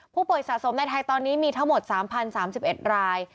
ผู้ป่วยสะสมในไทยตอนนี้มีทั้งหมด๓๐๓๑ราย